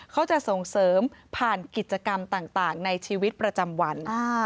เขาจะส่งเสริมผ่านกิจกรรมต่างในชีวิตประจำวัน